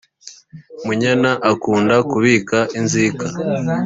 munyana akunda kubika inzika